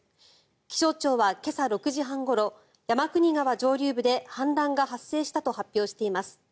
気象庁は今朝６時半ごろ山国川上流部で氾濫が発生したと発表しています。